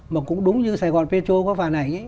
mà cũng đúng như sài gòn petro có phản ảnh